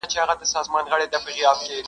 له خوب سره په مینه کي انسان په باور نه دی -